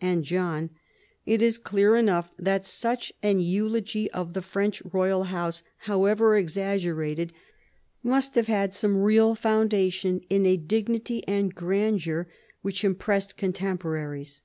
and John, it is clear enough that such an eulogy of the French royal house, however exaggerated, must have had some real foundation in a dignity and grandeur which impressed contemporaries.